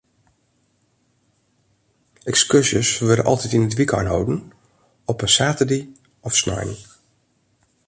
Ekskurzjes wurde altyd yn it wykein holden, op in saterdei of snein.